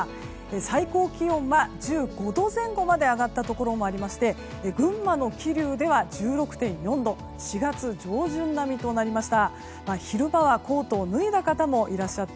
最高気温は１５度前後まで上がったところもありまして群馬の桐生では１６．４度４月上旬並みとなりました。